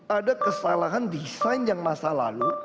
ada kesalahan desain yang masa lalu